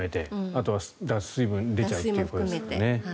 あとは水分が出ちゃうということですね。